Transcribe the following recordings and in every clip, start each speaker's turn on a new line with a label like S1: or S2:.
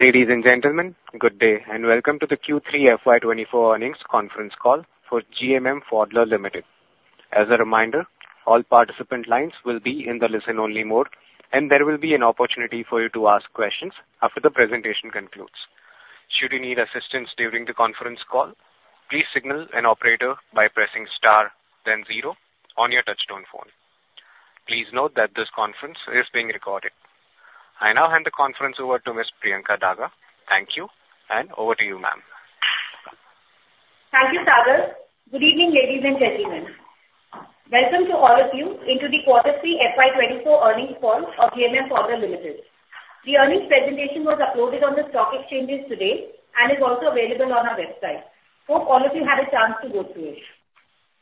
S1: Ladies and gentlemen, good day, and welcome to the Q3 FY 2024 earnings conference call for GMM Pfaudler Limited. As a reminder, all participant lines will be in the listen-only mode, and there will be an opportunity for you to ask questions after the presentation concludes. Should you need assistance during the conference call, please signal an operator by pressing star then zero on your touchtone phone. Please note that this conference is being recorded. I now hand the conference over to Miss Priyanka Daga. Thank you, and over to you, ma'am.
S2: Thank you, Sagar. Good evening, ladies and gentlemen. Welcome to all of you into the quarter three FY 2024 earnings call of GMM Pfaudler Limited. The earnings presentation was uploaded on the stock exchanges today and is also available on our website. Hope all of you had a chance to go through it.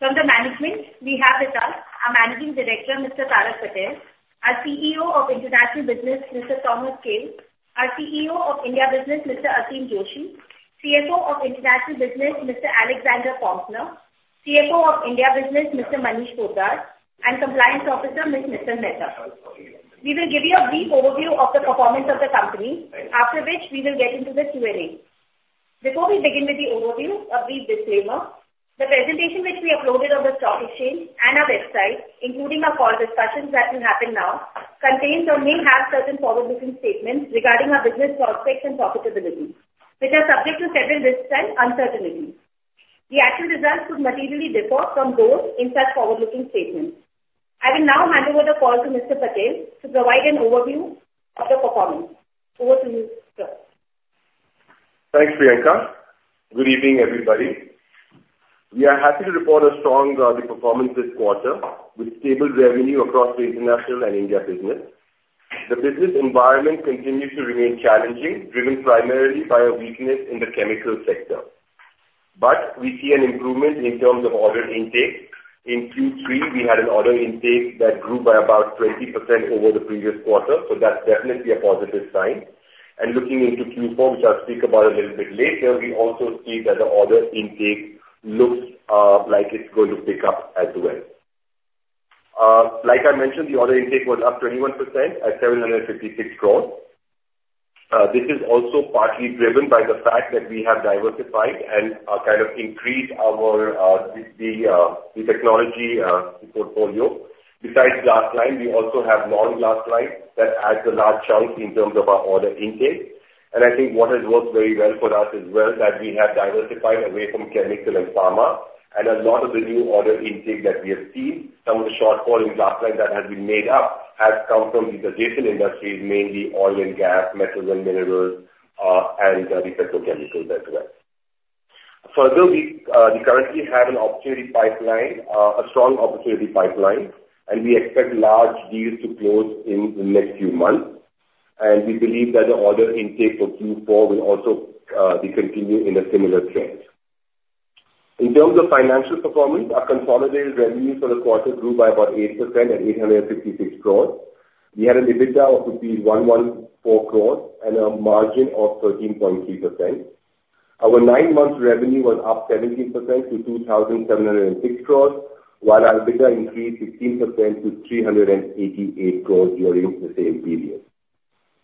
S2: From the management, we have with us our Managing Director, Mr. Tarak Patel, our CEO of International Business, Mr. Thomas Kehl, our CEO of India Business, Mr. Aseem Joshi, CFO of International Business, Mr. Alexander Poempner, CFO of India Business, Mr. Manish Poddar, and Compliance Officer, Ms. Mittal Mehta. We will give you a brief overview of the performance of the company, after which we will get into the Q&A. Before we begin with the overview, a brief disclaimer: The presentation which we uploaded on the stock exchange and our website, including our call discussions that will happen now, contains or may have certain forward-looking statements regarding our business prospects and profitability, which are subject to certain risks and uncertainties. The actual results could materially differ from those in such forward-looking statements. I will now hand over the call to Mr. Patel to provide an overview of the performance. Over to you, sir.
S3: Thanks, Priyanka. Good evening, everybody. We are happy to report a strong performance this quarter with stable revenue across the international and India business. The business environment continues to remain challenging, driven primarily by a weakness in the chemical sector, but we see an improvement in terms of order intake. In Q3, we had an order intake that grew by about 20% over the previous quarter, so that's definitely a positive sign. Looking into Q4, which I'll speak about a little bit later, we also see that the order intake looks like it's going to pick up as well. Like I mentioned, the order intake was up 21% at 756 crores. This is also partly driven by the fact that we have diversified and kind of increased our the the technology portfolio. Besides glass-lined, we also have non-glass-lined that adds a large chunk in terms of our order intake. I think what has worked very well for us as well, that we have diversified away from chemical and pharma, and a lot of the new order intake that we have seen, some of the shortfall in glass-lined that has been made up, has come from the adjacent industries, mainly oil and gas, metals and minerals, and the petrochemicals as well. Further, we currently have an opportunity pipeline, a strong opportunity pipeline, and we expect large deals to close in the next few months. We believe that the order intake for Q4 will also be continue in a similar trend. In terms of financial performance, our consolidated revenue for the quarter grew by about 8% at 856 crores. We had an EBITDA of 511.4 crore and a margin of 13.3%. Our nine-month revenue was up 17% to 2,706 crore, while our EBITDA increased 16% to 388 crore during the same period.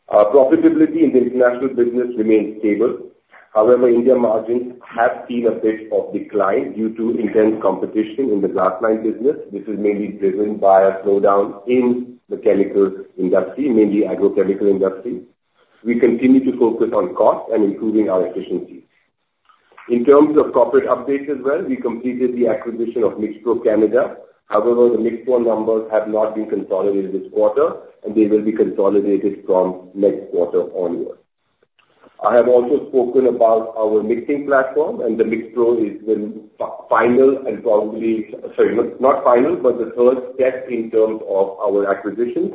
S3: Our profitability in the international business remains stable. However, India margins have seen a bit of decline due to intense competition in the glass-lined business. This is mainly driven by a slowdown in the chemical industry, mainly agrochemical industry. We continue to focus on cost and improving our efficiency. In terms of corporate updates as well, we completed the acquisition of MixPro Canada. However, the MixPro numbers have not been consolidated this quarter, and they will be consolidated from next quarter onwards. I have also spoken about our mixing platform, and the MixPro is the final and probably, sorry, not final, but the third step in terms of our acquisitions.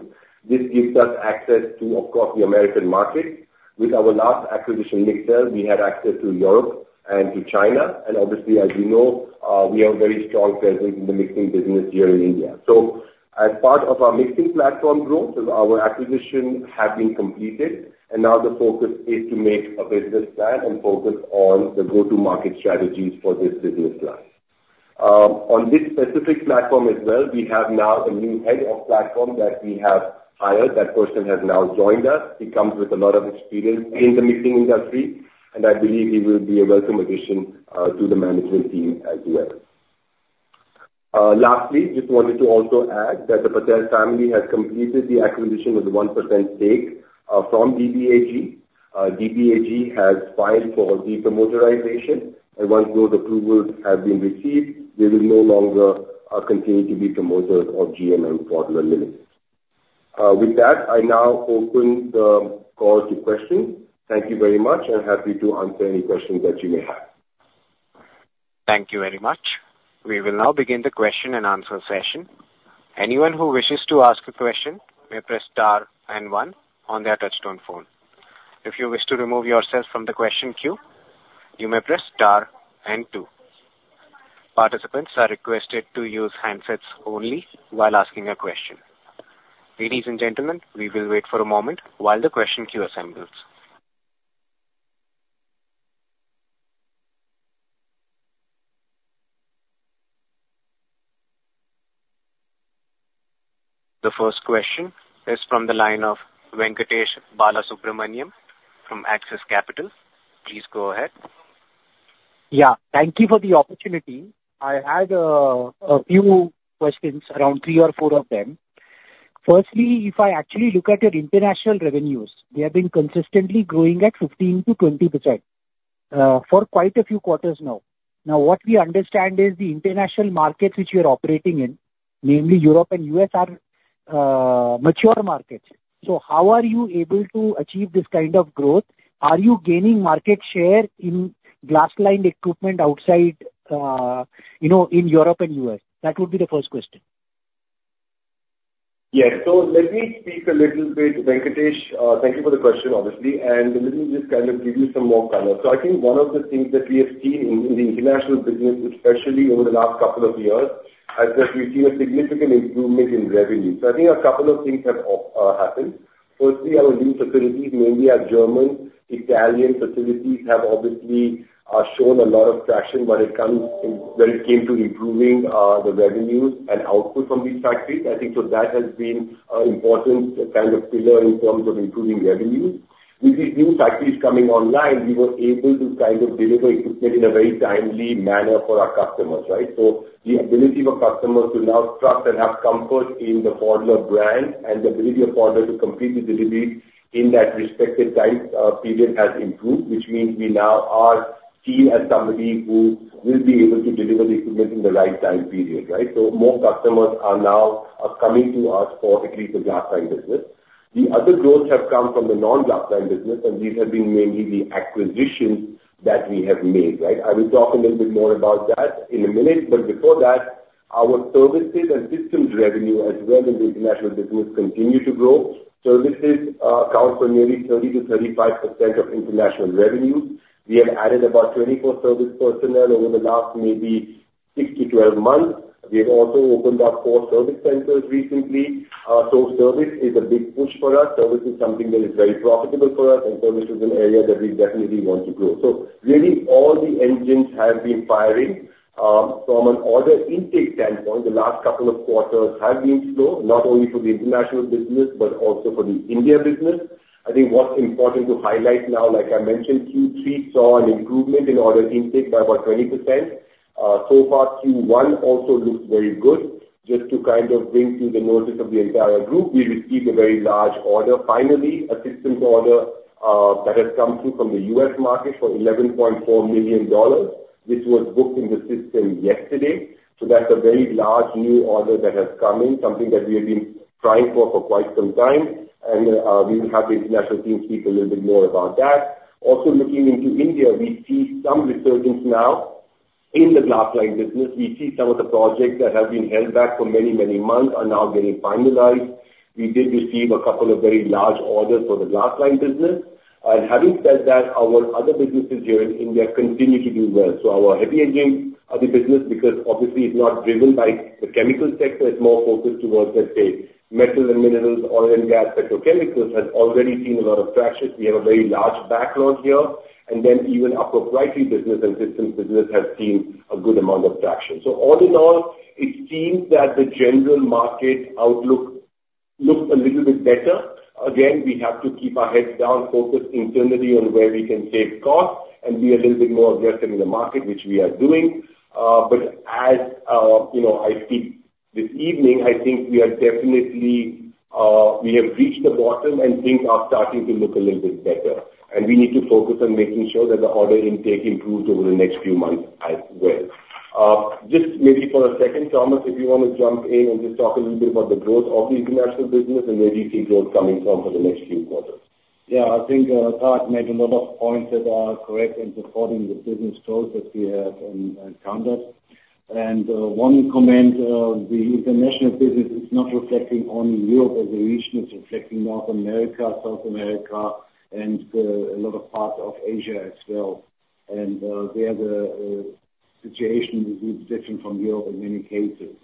S3: This gives us access to, of course, the American market. With our last acquisition, MIXEL, we had access to Europe and to China, and obviously, as you know, we have a very strong presence in the mixing business here in India. So as part of our mixing platform growth, our acquisition has been completed, and now the focus is to make a business plan and focus on the go-to-market strategies for this business line. On this specific platform as well, we have now a new head of platform that we have hired. That person has now joined us. He comes with a lot of experience in the mixing industry, and I believe he will be a welcome addition to the management team as well. Lastly, just wanted to also add that the Patel family has completed the acquisition of the 1% stake from DBAG. DBAG has filed for depromoterization, and once those approvals have been received, they will no longer continue to be promoters of GMM Pfaudler Limited. With that, I now open the call to questions. Thank you very much, and happy to answer any questions that you may have.
S1: Thank you very much. We will now begin the question-and-answer session. Anyone who wishes to ask a question may press star and one on their touchtone phone. If you wish to remove yourself from the question queue, you may press star and two. Participants are requested to use handsets only while asking a question. Ladies and gentlemen, we will wait for a moment while the question queue assembles. The first question is from the line of Venkatesh Balasubramanian from Axis Capital. Please go ahead.
S4: Yeah, thank you for the opportunity. I had a few questions, around three or four of them. Firstly, if I actually look at your international revenues, they have been consistently growing at 15%-20% for quite a few quarters now. Now, what we understand is the international markets which you're operating in, namely Europe and US, are mature markets. So how are you able to achieve this kind of growth? Are you gaining market share in glass-lined equipment outside, you know, in Europe and US? That would be the first question.
S3: Yes. So let me speak a little bit, Venkatesh. Thank you for the question, obviously, and let me just kind of give you some more color. So I think one of the things that we have seen in the international business, especially over the last couple of years, is that we've seen a significant improvement in revenue. So I think a couple of things have happened. Firstly, our lead facilities, mainly our German, Italian facilities, have obviously shown a lot of traction when it came to improving the revenues and output from these factories. I think so that has been an important kind of pillar in terms of improving revenues. With these new factories coming online, we were able to kind of deliver equipment in a very timely manner for our customers, right? So the ability for customers to now trust and have comfort in the Pfaudler brand and the ability of Pfaudler to completely deliver in that respective time, period has improved, which means we now are seen as somebody who will be able to deliver the equipment in the right time period, right? So more customers are now, are coming to us for at least the glass-lined business. The other growth have come from the non-glass-lined business, and these have been mainly the acquisitions that we have made, right? I will talk a little bit more about that in a minute, but before that, our services and systems revenue as well in the international business continue to grow. Services account for nearly 30%-35% of international revenue. We have added about 24 service personnel over the last, maybe 6-12 months. We have also opened up four service centers recently. So service is a big push for us. Service is something that is very profitable for us, and service is an area that we definitely want to grow. So really, all the engines have been firing. From an order intake standpoint, the last couple of quarters have been slow, not only for the international business, but also for the India business. I think what's important to highlight now, like I mentioned, Q3 saw an improvement in order intake by about 20%. So far, Q1 also looks very good. Just to kind of bring to the notice of the entire group, we received a very large order, finally, a systems order, that has come through from the US market for $11.4 million, which was booked in the system yesterday. So that's a very large new order that has come in, something that we have been trying for for quite some time. We will have the international team speak a little bit more about that. Also, looking into India, we see some resurgence now in the glass-lined business. We see some of the projects that have been held back for many, many months are now getting finalized. We did receive a couple of very large orders for the glass-lined business. And having said that, our other businesses here in India continue to do well. So our heavy engineering business, because obviously it's not driven by the chemical sector, it's more focused towards, let's say, metals and minerals, oil and gas, petrochemicals, has already seen a lot of traction. We have a very large backlog here, and then even our proprietary business and systems business have seen a good amount of traction. So all in all, it seems that the general market outlook looks a little bit better. Again, we have to keep our heads down, focused internally on where we can save costs and be a little bit more aggressive in the market, which we are doing. But as you know, I speak this evening, I think we are definitely we have reached the bottom, and things are starting to look a little bit better. And we need to focus on making sure that the order intake improves over the next few months as well. Just maybe for a second, Thomas, if you want to jump in and just talk a little bit about the growth of the international business and where do you see growth coming from for the next few quarters?
S5: Yeah, I think Tarak made a lot of points that are correct in supporting the business growth that we have encountered. One comment, the international business is not reflecting only Europe as a region, it's reflecting North America, South America, and a lot of parts of Asia as well. They have a situation which is different from Europe in many cases.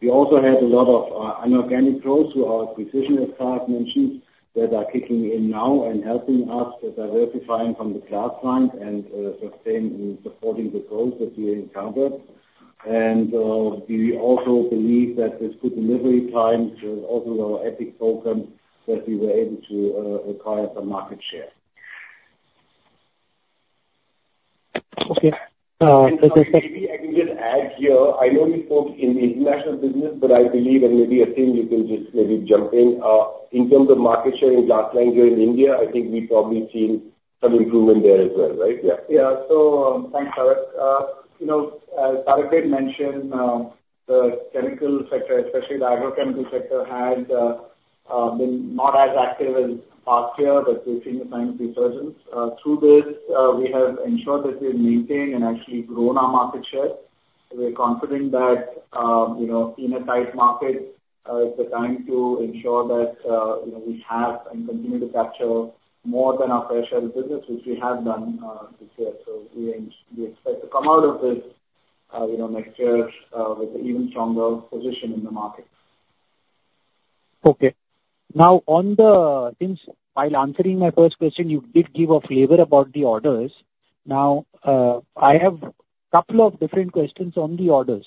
S5: We also have a lot of inorganic growth through our acquisition, as Tarak mentioned, that are kicking in now and helping us with diversifying from the glass-lined and sustaining and supporting the growth that we encountered. We also believe that with good delivery times and also our epic program, that we were able to acquire some market share.
S4: Okay, so-
S3: Maybe I can just add here. I know we spoke in the international business, but I believe, and maybe, Aseem, you can just maybe jump in. In terms of market share in glass-lined here in India, I think we've probably seen some improvement there as well, right?
S6: Yeah. Yeah. So, thanks, Tarak. You know, as Tarak did mention, the chemical sector, especially the agrochemical sector, has been not as active as last year, but we've seen a sign of resurgence. Through this, we have ensured that we have maintained and actually grown our market share. We're confident that, you know, in a tight market, it's the time to ensure that, you know, we have and continue to capture more than our fair share of the business, which we have done, this year. So we expect to come out of this, you know, next year, with an even stronger position in the market.
S4: Okay. Now, on the, since while answering my first question, you did give a flavor about the orders. Now, I have couple of different questions on the orders.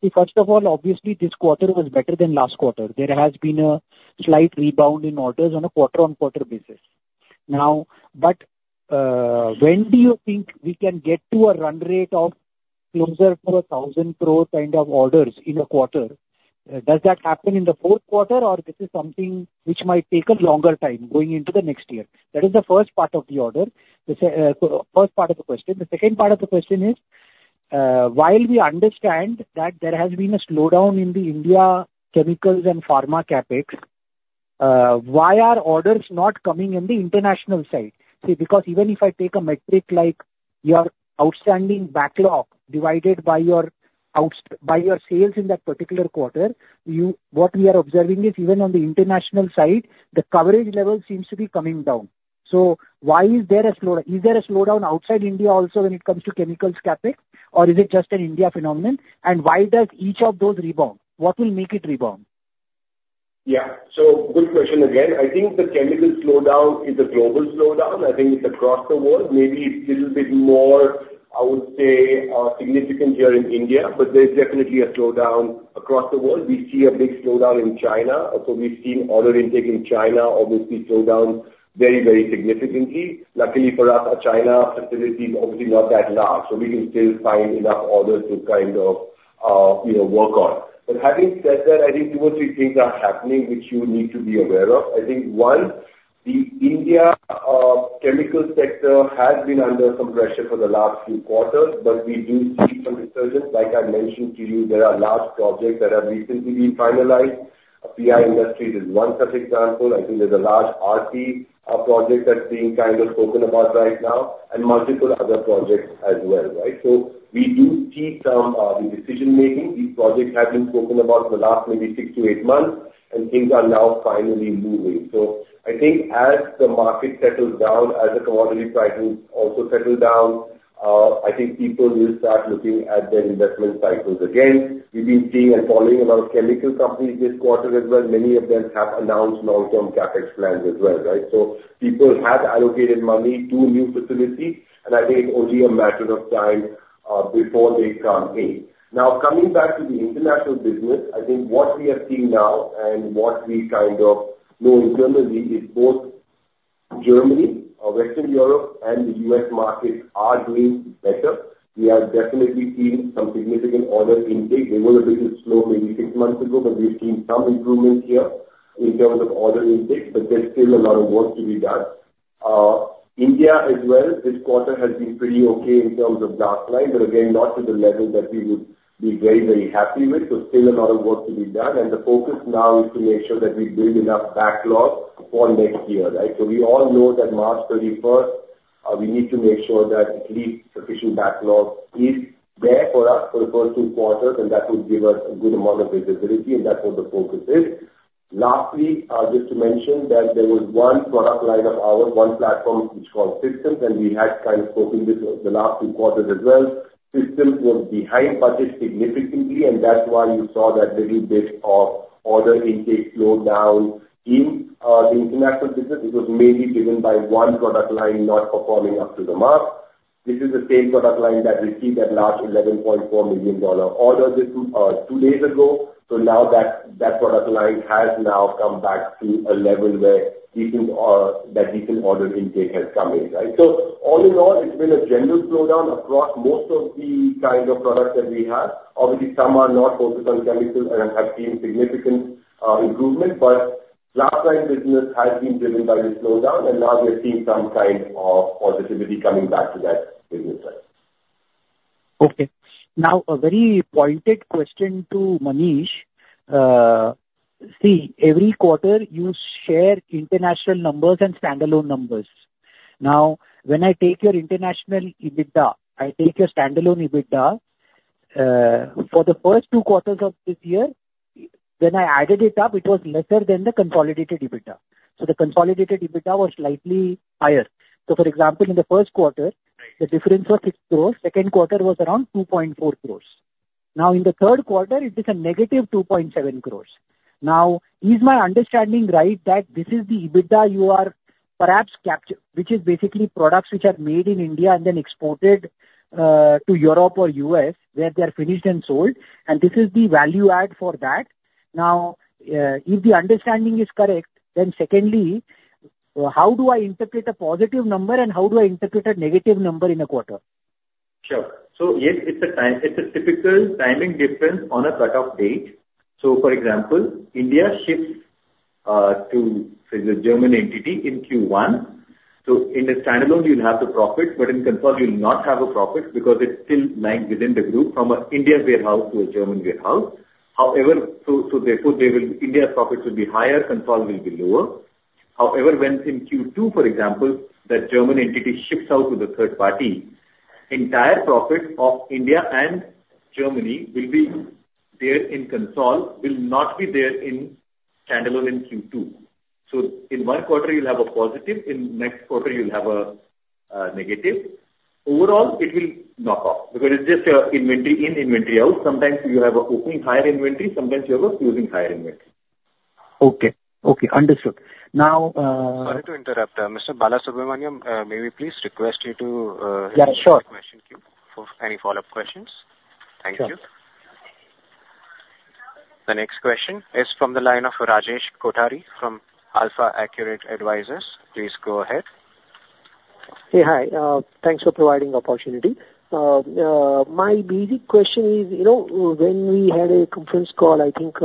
S4: See, first of all, obviously, this quarter was better than last quarter. There has been a slight rebound in orders on a quarter-over-quarter basis. Now, but, when do you think we can get to a run rate of closer to 1,000 crore kind of orders in a quarter? Does that happen in the fourth quarter, or this is something which might take a longer time going into the next year? That is the first part of the order. The first part of the question. The second part of the question is, while we understand that there has been a slowdown in the India chemicals and pharma CapEx, why are orders not coming in the international side? See, because even if I take a metric like your outstanding backlog divided by your sales in that particular quarter, what we are observing is even on the international side, the coverage level seems to be coming down. So why is there a slowdown? Is there a slowdown outside India also when it comes to chemicals CapEx, or is it just an India phenomenon? And why does each of those rebound? What will make it rebound?
S3: Yeah. So good question again. I think the chemical slowdown is a global slowdown. I think it's across the world. Maybe it's little bit more, I would say, significant here in India, but there's definitely a slowdown across the world. We see a big slowdown in China, so we've seen order intake in China obviously slowdown very, very significantly. Luckily for us, our China facility is obviously not that large, so we can still find enough orders to kind of, you know, work on. But having said that, I think two or three things are happening which you need to be aware of. I think, one, the India chemical sector has been under some pressure for the last few quarters, but we do see some resurgence. Like I mentioned to you, there are large projects that have recently been finalized. PI Industries is one such example. I think there's a large RT, project that's being kind of spoken about right now and multiple other projects as well, right? So we do see some, the decision-making. These projects have been spoken about for the last maybe six to eight months, and things are now finally moving. So I think as the market settles down, as the commodity prices also settle down, I think people will start looking at their investment cycles again. We've been seeing and following a lot of chemical companies this quarter as well. Many of them have announced long-term CapEx plans as well, right? So people have allocated money to new facilities, and I think it's only a matter of time, before they come in. Now, coming back to the international business, I think what we are seeing now and what we kind of know internally is both Germany or Western Europe and the US markets are doing better. We have definitely seen some significant order intake. They were a little slow maybe six months ago, but we've seen some improvement here in terms of order intake, but there's still a lot of work to be done. India as well, this quarter has been pretty okay in terms of top line, but again, not to the level that we would be very, very happy with. So still a lot of work to be done. And the focus now is to make sure that we build enough backlog for next year, right? We all know that March 31st, we need to make sure that at least sufficient backlog is there for us for the first two quarters, and that will give us a good amount of visibility, and that's what the focus is. Lastly, just to mention that there was one product line of ours, one platform which is called Systems, and we had kind of spoken this over the last two quarters as well. Systems were behind budget significantly, and that's why you saw that little bit of order intake slowdown in the international business. It was mainly driven by one product line not performing up to the mark. This is the same product line that received that large $11.4 million order just two days ago. So now that that product line has now come back to a level where decent order intake has come in, right? So all in all, it's been a general slowdown across most of the kind of products that we have. Obviously, some are not focused on chemicals and have seen significant improvement, but glass line business has been driven by the slowdown, and now we are seeing some kind of positivity coming back to that business line.
S4: Okay. Now, a very pointed question to Manish. See, every quarter you share international numbers and standalone numbers. Now, when I take your international EBITDA, I take your standalone EBITDA, for the first two quarters of this year, when I added it up, it was lesser than the consolidated EBITDA. The consolidated EBITDA was slightly higher. For example, in the first quarter-
S7: Right.
S4: The difference was 6 crores; second quarter was around 2.4 crores. Now, in the third quarter, it is a negative 2.7 crores. Now, is my understanding right that this is the EBITDA you are perhaps capturing, which is basically products which are made in India and then exported to Europe or US, where they are finished and sold, and this is the value add for that? Now, if the understanding is correct, then secondly, how do I interpret a positive number and how do I interpret a negative number in a quarter?
S3: Sure. So yes, it's a time, it's a typical timing difference on a cutoff date. So for example, India ships to, say, the German entity in Q1. So in the standalone, you'll have the profit, but in consolid, you'll not have a profit because it's still lying within the group from an India warehouse to a German warehouse. However, so, so therefore, they will... India's profits will be higher, consolid will be lower. However, when in Q2, for example, that German entity ships out to the third party, entire profit of India and Germany will be there in consolid, will not be there in standalone in Q2. So in one quarter, you'll have a positive, in next quarter, you'll have a negative. Overall, it will knock off, because it's just your inventory, in inventory out. Sometimes you have an opening higher inventory, sometimes you have a closing higher inventory.
S4: Okay, okay, understood. Now,
S1: Sorry to interrupt, Mr. Balasubramanian, may we please request you to,
S4: Yeah, sure.
S1: For any follow-up questions? Thank you.
S3: Sure.
S1: The next question is from the line of Rajesh Kothari from AlfAccurate Advisors. Please go ahead.
S8: Hey, hi. Thanks for providing the opportunity. My basic question is, you know, when we had a conference call, I think,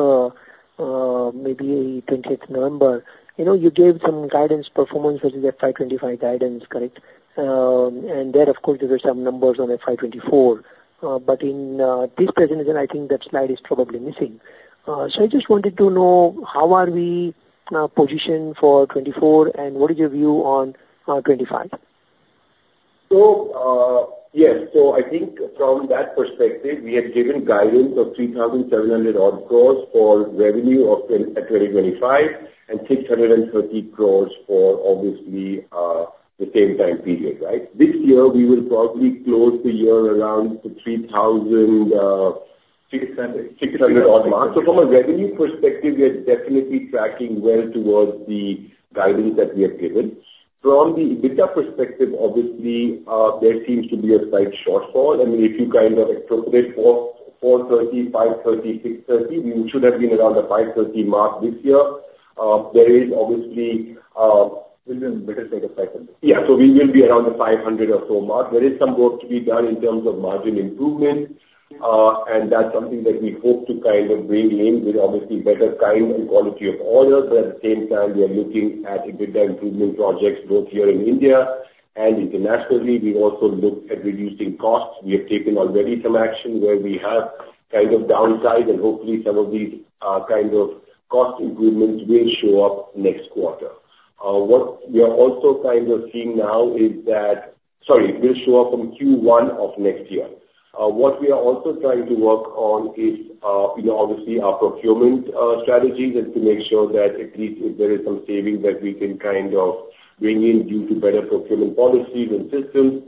S8: maybe 28th November, you know, you gave some guidance performance, which is FY 2025 guidance, correct? And there, of course, there were some numbers on FY 2024. But in this presentation, I think that slide is probably missing. So I just wanted to know: How are we positioned for '24, and what is your view on 2025?
S3: So, yes. So I think from that perspective, we had given guidance of 3,700-odd crore for revenue of 2025, and 630 for obviously, the same time period, right? This year, we will probably close the year around 3,000,
S5: 600.
S3: 600-odd mark. So from a revenue perspective, we are definitely tracking well towards the guidance that we have given. From the EBITDA perspective, obviously, there seems to be a slight shortfall. I mean, if you kind of extrapolate for 430, 530, 630, we should have been around the 530 mark this year. There is obviously-
S8: Within better state of cycle.
S3: Yeah, so we will be around the 500 or so mark. There is some work to be done in terms of margin improvement, and that's something that we hope to kind of bring in with obviously better kind and quality of orders. But at the same time, we are looking at EBITDA improvement projects, both here in India and internationally. We also looked at reducing costs. We have taken already some action where we have kind of downsized and hopefully some of these kind of cost improvements will show up next quarter. What we are also kind of seeing now is that, sorry, will show up from Q1 of next year. What we are also trying to work on is, you know, obviously our procurement strategies, and to make sure that at least if there is some savings that we can kind of bring in due to better procurement policies and systems,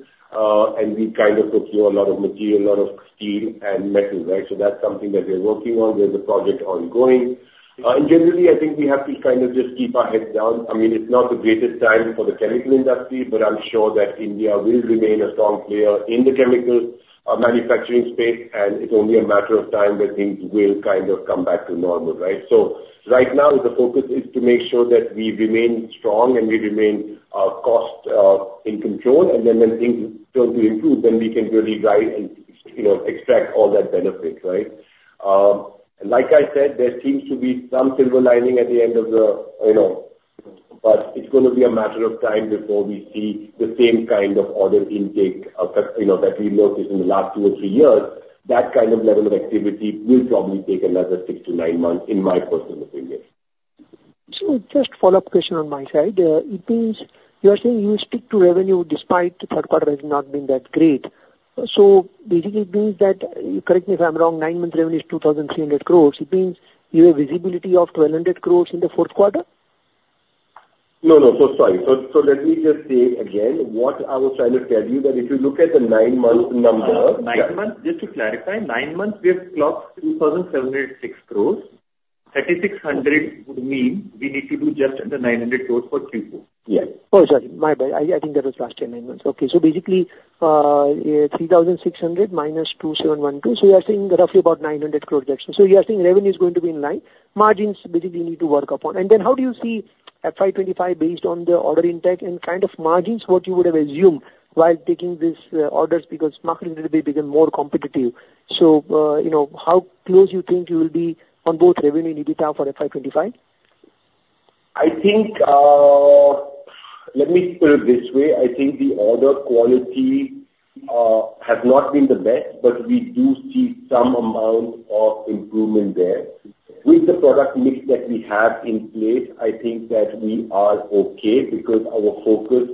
S3: and we kind of procure a lot of material, lot of steel and metal, right? So that's something that we're working on. There's a project ongoing. And generally, I think we have to kind of just keep our heads down. I mean, it's not the greatest time for the chemical industry, but I'm sure that India will remain a strong player in the chemical manufacturing space, and it's only a matter of time that things will kind of come back to normal, right? So right now, the focus is to make sure that we remain strong and we remain cost in control, and then when things start to improve, then we can really drive and, you know, extract all that benefit, right? Like I said, there seems to be some silver lining at the end of the, you know, but it's gonna be a matter of time before we see the same kind of order intake that, you know, that we noticed in the last two or three years. That kind of level of activity will probably take another six to nine months in my personal opinion.
S8: So just a follow-up question on my side. It means you are saying you will stick to revenue despite the third quarter has not been that great. So basically it means that, correct me if I'm wrong, nine months revenue is 2,300 crores. It means you have visibility of 1,200 crores in the fourth quarter?
S3: No, no. So sorry. So, so let me just say again, what I was trying to tell you, that if you look at the nine-month numbers-
S7: 9 months, just to clarify, 9 months, we have clocked 2,706 crores. 3,600 would mean we need to do just under 900 crores for Q4.
S8: Yes. Oh, sorry. My bad. I think that was last year, nine months. Okay. So basically, yeah, 3,600 minus 2,712. So you are saying roughly about 900 crore revenue. So you are saying revenue is going to be in line, margins basically need to work upon. And then how do you see FY 2025 based on the order intake and kind of margins, what you would have assumed while taking these orders? Because marketing will become more competitive. So, you know, how close you think you will be on both revenue and EBITDA for FY 2025?
S3: I think, let me put it this way, I think the order quality has not been the best, but we do see some amount of improvement there. With the product mix that we have in place, I think that we are okay because our focus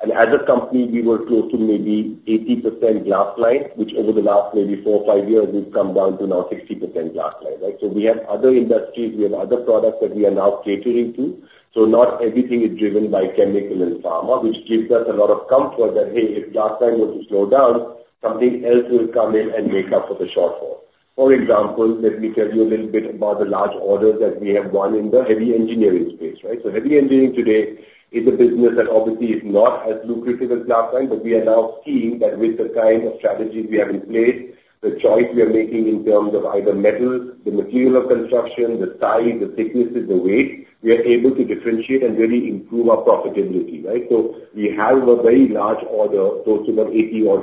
S3: as a company, we were close to maybe 80% glass-lined, which over the last maybe four or five years, we've come down to now 60% glass-lined, right? So we have other industries, we have other products that we are now catering to. So not everything is driven by chemical and pharma, which gives us a lot of comfort that, hey, if glass-lined were to slow down, something else will come in and make up for the shortfall. For example, let me tell you a little bit about the large orders that we have won in the heavy engineering space, right? So heavy engineering today is a business that obviously is not as lucrative as glass line, but we are now seeing that with the kind of strategies we have in place, the choice we are making in terms of either metals, the material of construction, the size, the thicknesses, the weight, we are able to differentiate and really improve our profitability, right? So we have a very large order, close to 80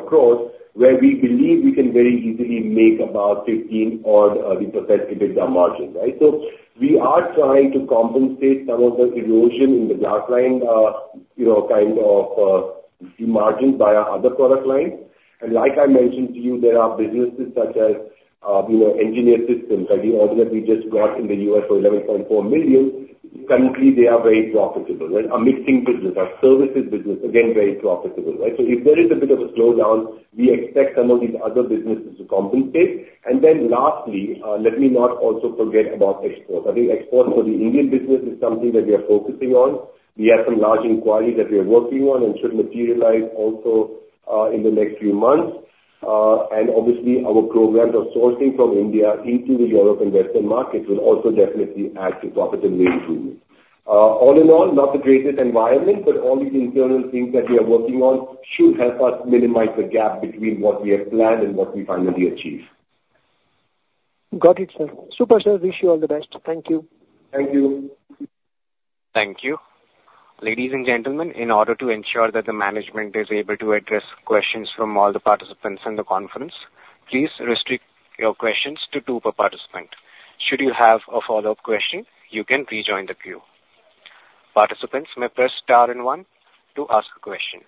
S3: crore, where we believe we can very easily make about 15%-odd EBITDA margins, right? So we are trying to compensate some of the erosion in the glass line, you know, kind of, margins by our other product lines. Like I mentioned to you, there are businesses such as, you know, engineered systems, like the order that we just got in the US for $11.4 million. Currently, they are very profitable, right? Our mixing business, our services business, again, very profitable, right? So if there is a bit of a slowdown, we expect some of these other businesses to compensate. And then lastly, let me not also forget about export. I think export for the Indian business is something that we are focusing on. We have some large inquiries that we are working on and should materialize also in the next few months. And obviously, our programs of sourcing from India into Europe and Western markets will also definitely add to profitability improvement. All in all, not the greatest environment, but all these internal things that we are working on should help us minimize the gap between what we have planned and what we finally achieve.
S8: Got it, sir. Super, sir. Wish you all the best. Thank you.
S3: Thank you.
S1: Thank you. Ladies and gentlemen, in order to ensure that the management is able to address questions from all the participants in the conference, please restrict your questions to two per participant. Should you have a follow-up question, you can rejoin the queue. Participants may press star and one to ask a question.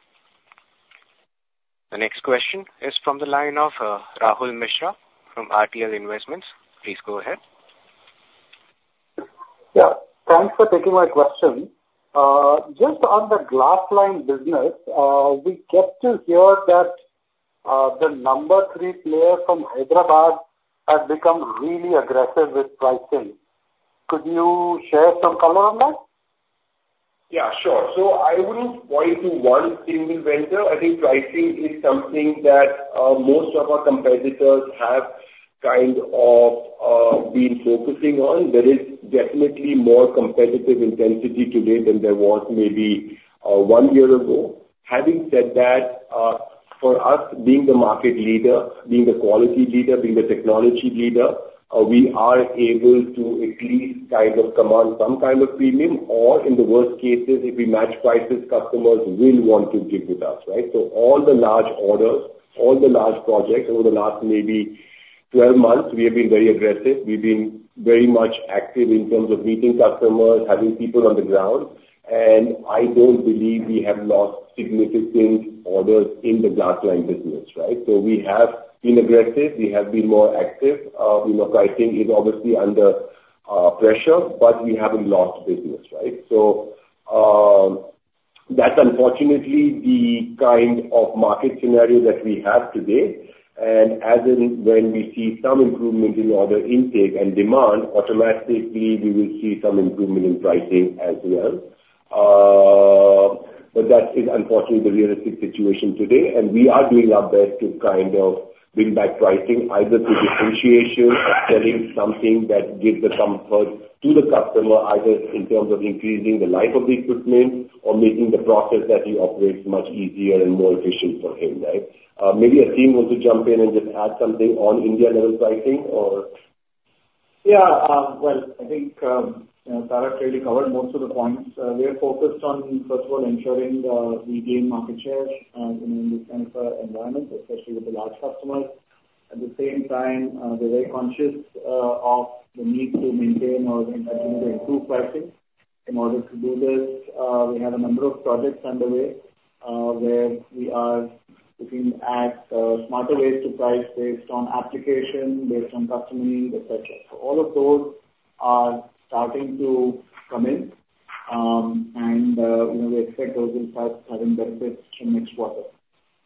S1: The next question is from the line of Rahul Mishra from RTL Investments. Please go ahead.
S9: Yeah, thanks for taking my question. Just on the glass-lined business, we get to hear that the number three player from Hyderabad has become really aggressive with pricing. Could you share some color on that?
S3: Yeah, sure. So I wouldn't point to one single vendor. I think pricing is something that, most of our competitors have kind of, been focusing on. There is definitely more competitive intensity today than there was maybe, one year ago. Having said that, for us, being the market leader, being the quality leader, being the technology leader, we are able to at least kind of command some kind of premium, or in the worst cases, if we match prices, customers will want to stick with us, right? So all the large orders, all the large projects over the last maybe 12 months, we have been very aggressive. We've been very much active in terms of meeting customers, having people on the ground, and I don't believe we have lost significant orders in the glass-lined business, right? So we have been aggressive, we have been more active. You know, pricing is obviously under pressure, but we haven't lost business, right? That's unfortunately the kind of market scenario that we have today, and as and when we see some improvement in order intake and demand, automatically, we will see some improvement in pricing as well. But that is unfortunately the realistic situation today, and we are doing our best to kind of bring back pricing either through differentiation, selling something that gives the comfort to the customer, either in terms of increasing the life of the equipment or making the process that he operates much easier and more efficient for him, right? Maybe Aseem wants to jump in and just add something on India-level pricing or?
S6: Yeah, well, I think, you know, Tarak really covered most of the points. We are focused on, first of all, ensuring, we gain market share, in this kind of environment, especially with the large customers. At the same time, we're very conscious, of the need to maintain or improve pricing. In order to do this, we have a number of projects underway, where we are looking at, smarter ways to price based on application, based on customer needs, et cetera. So all of those are starting to come in. And, you know, we expect those will start having benefits from next quarter.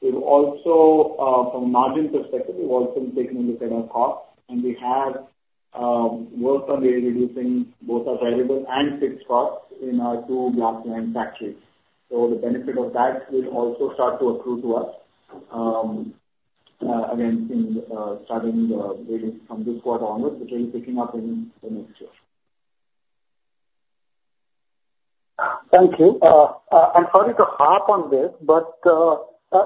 S6: We've also, from a margin perspective, we've also taken a look at our costs, and we have, worked on reducing both our variable and fixed costs in our two glass-lined factories. So the benefit of that will also start to accrue to us, again, really from this quarter onwards, which is picking up in the next year.
S9: Thank you. I'm sorry to harp on this, but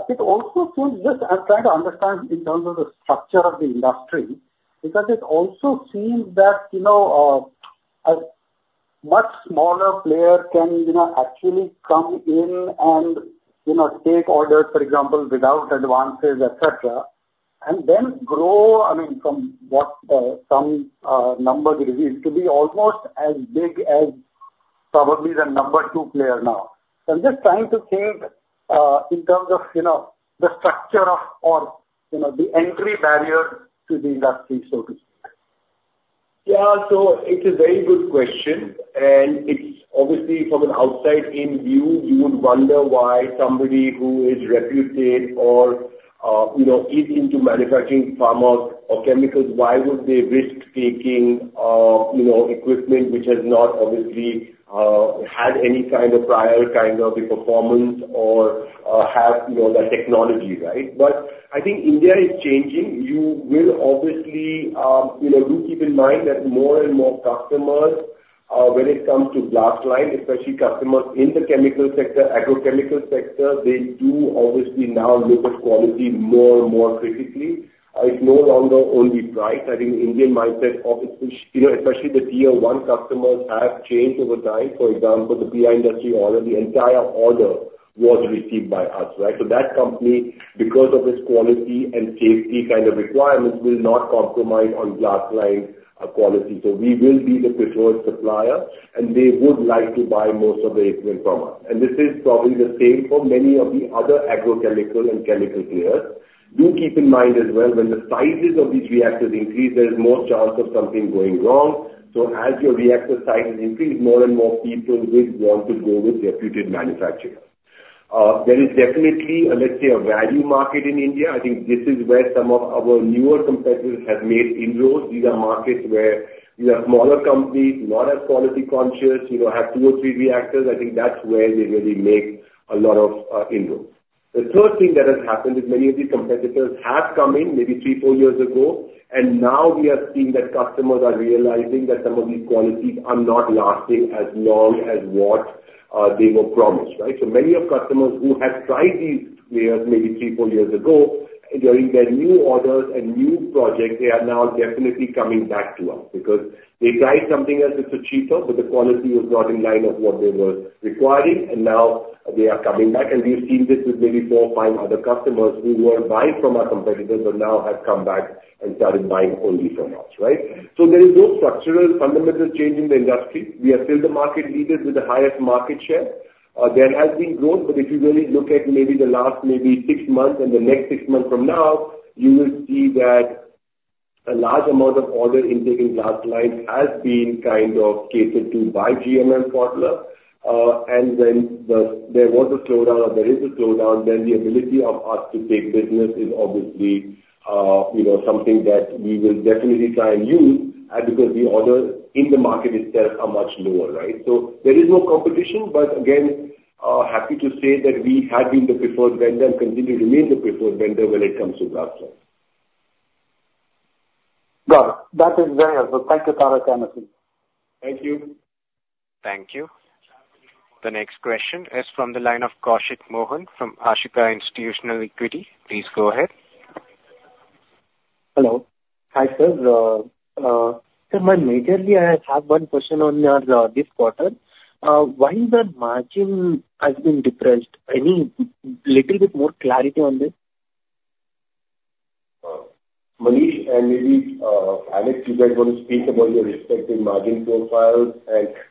S9: it also seems, just I'm trying to understand in terms of the structure of the industry, because it also seems that, you know, a much smaller player can, you know, actually come in and, you know, take orders, for example, without advances, et cetera, and then grow, I mean, from what, some numbers released, to be almost as big as probably the number two player now. So I'm just trying to think in terms of, you know, the structure of or, you know, the entry barrier to the industry, so to speak.
S3: Yeah. So it's a very good question, and it's obviously from an outside-in view, you would wonder why somebody who is reputed or, you know, is into manufacturing pharma or chemicals, why would they risk taking, you know, equipment which has not obviously had any kind of prior kind of a performance or, have, you know, the technology, right? But I think India is changing. You will obviously, you know, do keep in mind that more and more customers, when it comes to glass line, especially customers in the chemical sector, agrochemical sector, they do obviously now look at quality more and more critically. It's no longer only price. I think Indian mindset, obviously, you know, especially the tier one customers, have changed over time. For example, the PI Industries order, the entire order was received by us, right? So that company, because of its quality and safety kind of requirements, will not compromise on glass-lined quality. So we will be the preferred supplier, and they would like to buy most of the equipment from us. And this is probably the same for many of the other agrochemical and chemical players. Do keep in mind as well, when the sizes of these reactors increase, there is more chance of something going wrong. So as your reactor sizes increase, more and more people will want to go with reputed manufacturers. There is definitely, let's say, a value market in India. I think this is where some of our newer competitors have made inroads. These are markets where you have smaller companies, not as quality conscious, you know, have two or three reactors. I think that's where they really make a lot of inroads. The third thing that has happened is many of these competitors have come in maybe 3-4 years ago, and now we are seeing that customers are realizing that some of these qualities are not lasting as long as what they were promised, right? So many of customers who have tried these players maybe 3-4 years ago, during their new orders and new projects, they are now definitely coming back to us because they tried something else that was cheaper, but the quality was not in line of what they were requiring, and now they are coming back. And we've seen this with maybe 4 or 5 other customers who were buying from our competitors, but now have come back and started buying only from us, right? So there is no structural fundamental change in the industry. We are still the market leader with the highest market share. There has been growth, but if you really look at maybe the last maybe six months and the next six months from now, you will see that a large amount of order intake in glass-lined has been kind of catered to by GMM Pfaudler. And when there was a slowdown or there is a slowdown, then the ability of us to take business is obviously, you know, something that we will definitely try and use, because the orders in the market itself are much lower, right? So there is no competition, but again, happy to say that we have been the preferred vendor and continue to remain the preferred vendor when it comes to glass-lined.
S9: Well, that is very well. Thank you, Tarak Patel. Thank you.
S1: Thank you. The next question is from the line of Koushik Mohan from Ashika Institutional Equity. Please go ahead.
S10: Hello. Hi, sir. So mainly, I have one question on your this quarter. Why the margin has been depressed? Any little bit more clarity on this?
S3: Manish and maybe Alex, you guys want to speak about your respective margin profiles.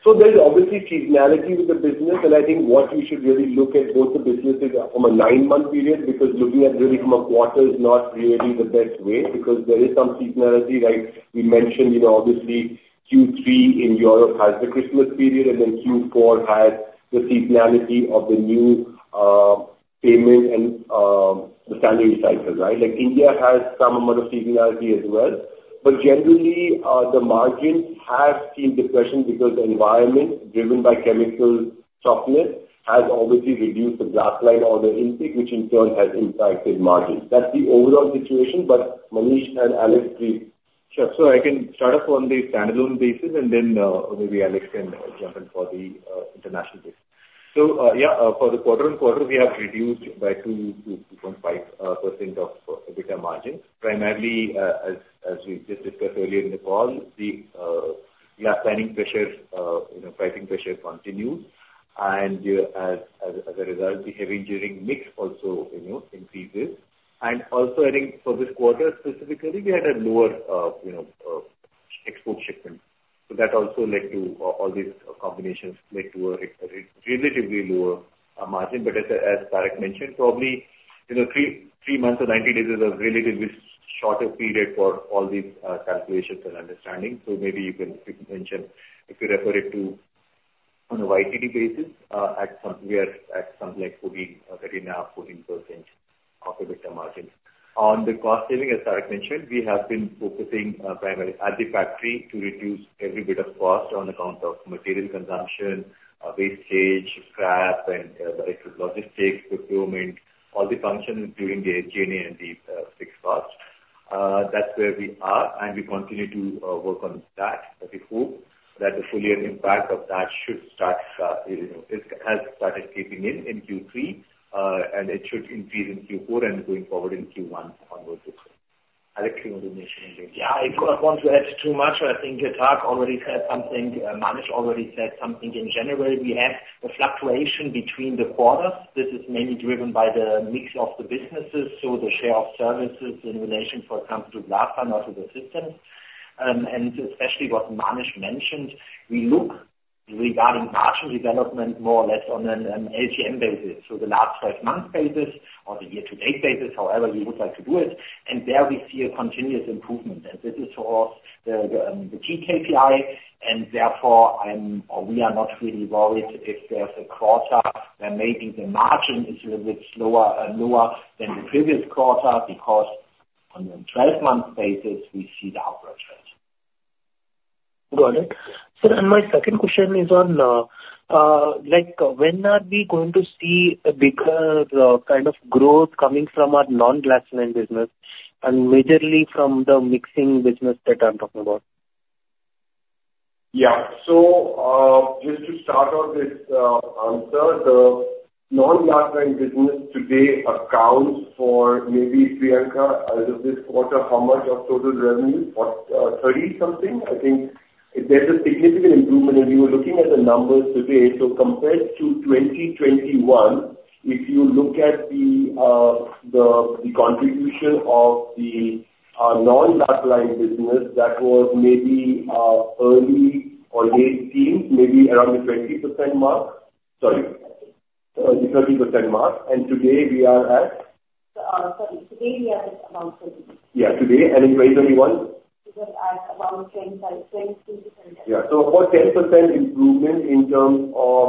S3: So there's obviously seasonality with the business, and I think what we should really look at both the businesses from a nine-month period, because looking at really from a quarter is not really the best way, because there is some seasonality, right? We mentioned, you know, obviously, Q3 in Europe has the Christmas period, and then Q4 has the seasonality of the new payment and the standard cycle, right? Like India has some amount of seasonality as well. But generally, the margins have seen depression because the environment, driven by chemical softness, has obviously reduced the glass-lined order intake, which in turn has impacted margins. That's the overall situation, but Manish and Alex, please.
S7: Sure. So I can start off on the standalone basis, and then, maybe Alex can jump in for the, international business. So, yeah, for the quarter-on-quarter, we have reduced by 2-2.5% of EBITDA margin. Primarily, as we just discussed earlier in the call, the lagging pricing pressures, you know, pricing pressure continued. And as a result, the heavy engineering mix also, you know, increases. And also, I think for this quarter specifically, we had a lower, you know, export shipment. So that also led to all these combinations led to a relatively lower, margin. But as Tarak mentioned, probably, you know, 3 months or 90 days is a relatively shorter period for all these, calculations and understanding. So maybe you can mention, if you refer it to on a YTD basis, at some, we are at something like 14, thirteen or 14% of EBITDA margin. On the cost saving, as Tarak mentioned, we have been focusing primarily at the factory to reduce every bit of cost on account of material consumption, wastage, scrap, and the logistics, procurement, all the functions during the engineering and the fixed costs. That's where we are, and we continue to work on that. But we hope that the full year impact of that should start, you know, it has started kicking in, in Q3, and it should increase in Q4 and going forward in Q1 onwards. Alex, you want to mention anything?
S11: Yeah, I don't want to add too much. I think Tarak already said something, Manish already said something. In general, we have the fluctuation between the quarters. This is mainly driven by the mix of the businesses, so the share of services in relation, for example, to glass and also the systems. And especially what Manish mentioned, we look regarding margin development more or less on an LTM basis, so the last 12 months basis or the year-to-date basis, however we would like to do it, and there we see a continuous improvement. And this is, for us, the key KPI, and therefore, I'm or we are not really worried if there's a quarter where maybe the margin is a little bit slower, lower than the previous quarter, because on a 12-month basis, we see the upward trend.
S10: Got it. So my second question is on, like, when are we going to see a bigger kind of growth coming from our non-glass-lined business and majorly from the mixing business that I'm talking about?
S3: Yeah. So, just to start off this, answer, the non-glass-lined business today accounts for maybe, Priyanka, out of this quarter, how much of total revenue? What, 30 something? I think there's a significant improvement, and we were looking at the numbers today. So compared to 2021, if you look at the, the, the contribution of the, non-glass-lined business, that was maybe, early or late teens, maybe around the 20% mark. Sorry, the 30% mark, and today we are at?
S2: Sorry, today we are at about 30.
S3: Yeah, today, and in 2021?
S2: It was at around 10%, 10.2%.
S3: Yeah. So about 10% improvement in terms of,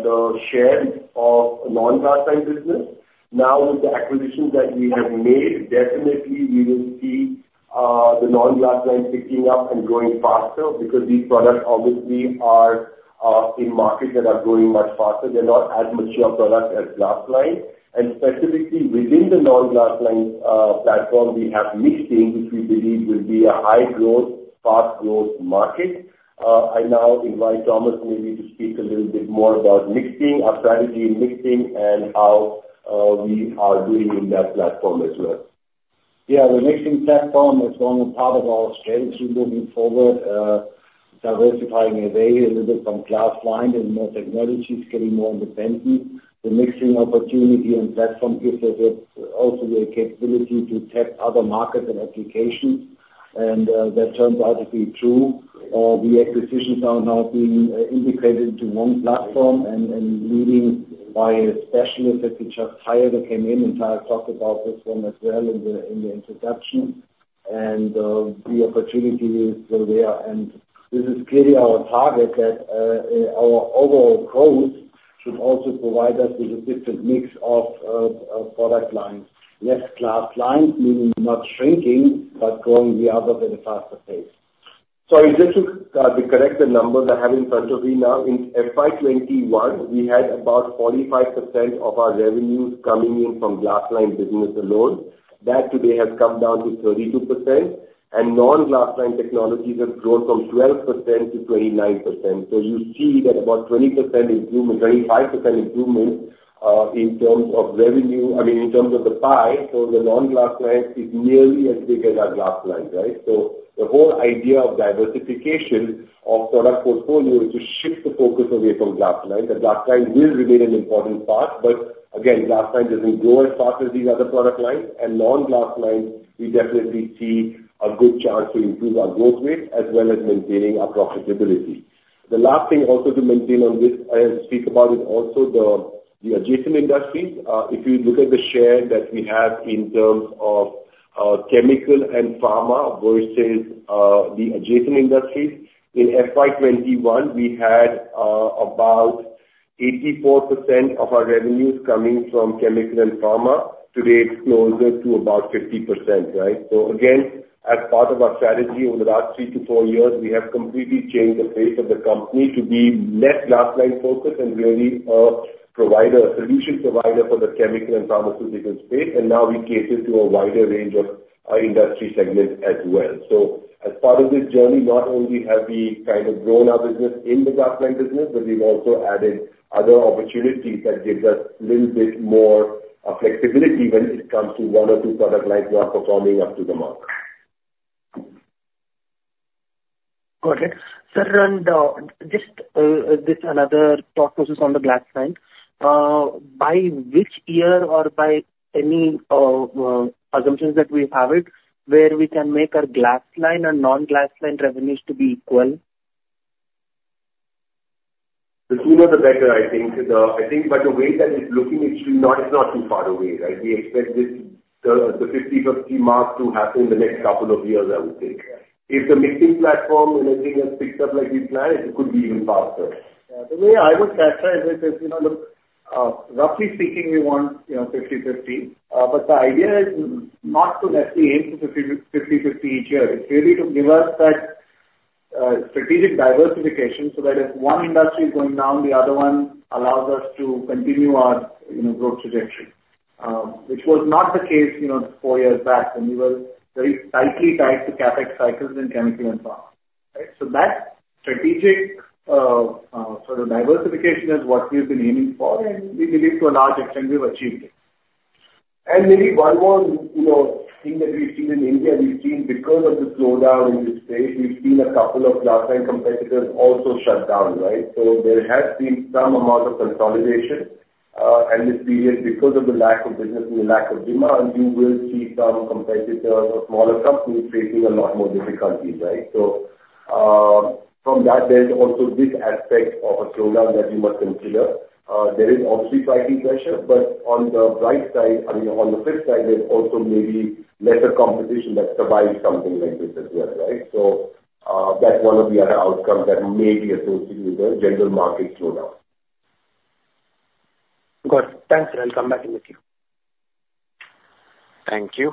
S3: the share of non-glass-lined business. Now, with the acquisitions that we have made, definitely we will see, the non-glass-lined picking up and growing faster, because these products obviously are, are in markets that are growing much faster. They're not as mature products as glass-lined. And specifically, within the non-glass-lined, platform, we have mixing, which we believe will be a high growth, fast growth market. I now invite Thomas maybe to speak a little bit more about mixing, our strategy in mixing, and how, we are doing in that platform as well.
S5: Yeah, the mixing platform is one part of our strategy moving forward, diversifying away a little bit from glass-lined and more technologies, getting more independent. The mixing opportunity and platform gives us also a capability to test other markets and applications, and that turns out to be true. The acquisitions are now being integrated into one platform and leading by a specialist that we just hired, who came in, and Tarak talked about this one as well in the introduction. And the opportunity is still there. And this is clearly our target, that our overall growth should also provide us with a different mix of product lines. Less glass-lined, meaning not shrinking, but growing the others at a faster pace.
S3: Sorry, just to correct the numbers I have in front of me now. In FY 2021, we had about 45% of our revenues coming in from glass-lined business alone. That today has come down to 32%, and non-glass-lined technologies have grown from 12%-29%. So you see that about 20% improvement, 25% improvement, in terms of revenue, i mean, in terms of the pie, so the non-glass-lined is nearly as big as our glass-lined, right? So the whole idea of diversification of product portfolio is to shift the focus away from glass-lined. The glass-lined will remain an important part, but again, glass-lined doesn't grow as fast as these other product lines, and non-glass-lined, we definitely see a good chance to improve our growth rate as well as maintaining our profitability. The last thing also to maintain on this, speak about is also the, the adjacent industries. If you look at the share that we have in terms of, chemical and pharma versus, the adjacent industries, in FY 2021, we had, about 84% of our revenues coming from chemical and pharma. Today, it's closer to about 50%, right? So again, as part of our strategy over the last 3-4 years, we have completely changed the face of the company to be less glass-lined focused and really a provider, a solution provider for the chemical and pharmaceutical space. And now we cater to a wider range of, industry segments as well. So as part of this journey, not only have we kind of grown our business in the glass-lined business, but we've also added other opportunities that gives us little bit more flexibility when it comes to one or two product lines that are performing up to the mark.
S10: Got it. Sir, and just another thought was just on the glass-lined. By which year or by any assumptions that we have it, where we can make our glass-lined and non-glass-lined revenues to be equal?
S3: The sooner the better, I think. I think by the way that it's looking, it should not, it's not too far away, right? We expect this 50/50 mark to happen the next couple of years, I would think. If the mixing platform and everything has picked up like we planned, it could be even faster.
S5: Yeah. The way I would characterize it is, you know, look, roughly speaking, we want, you know, 50/50. But the idea is not to necessarily aim for 50/50 each year. It's really to give us that, strategic diversification, so that if one industry is going down, the other one allows us to continue our, you know, growth trajectory, which was not the case, you know, four years back when we were very tightly tied to CapEx cycles in chemical and pharma, right? So that strategic, sort of diversification is what we've been aiming for, and we believe to a large extent we've achieved it.
S3: Maybe one more, you know, thing that we've seen in India. We've seen because of the slowdown in this space, we've seen a couple of glass-lined competitors also shut down, right? So there has been some amount of consolidation, and this period, because of the lack of business and the lack of demand, you will see some competitors or smaller companies facing a lot more difficulties, right? So, from that, there's also this aspect of a slowdown that you must consider. There is obviously pricing pressure, but on the bright side, I mean, on the flip side, there's also maybe lesser competition that survives something like this as well, right? So, that's one of the other outcomes that may be associated with the general market slowdown.
S10: Got it. Thanks, sir. I'll come back to you.
S1: Thank you.